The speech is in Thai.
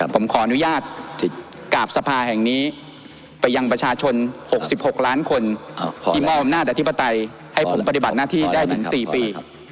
ผมขออนุญาตกราบสภาแห่งนี้ไปยังประชาชน๖๖ล้านคนที่มอบอำนาจอธิปไตยให้ผมปฏิบัติหน้าที่ได้ถึง๔ปี